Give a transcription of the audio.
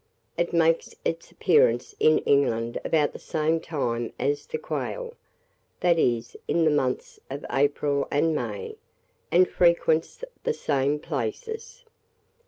It makes its appearance in England about the same time as the quail, that is, in the months of April and May, and frequents the same places.